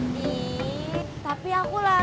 nek tapi aku lah